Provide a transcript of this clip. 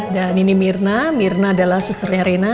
dan ini mirna mirna adalah susternya rina